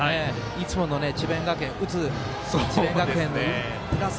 いつもの智弁学園打つ智弁学園プラス